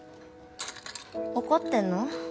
怒ってんの？